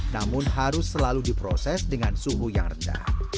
namun harus selalu diproses dengan suhu yang rendah